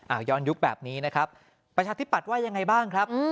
ย้อนยุคแบบนี้นะครับประชาธิปัตย์ว่ายังไงบ้างครับ